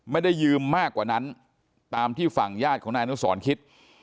ไม่ได้ยืมมากกว่านั้นตามที่ฝั่งญาติของนายอนุสรคิด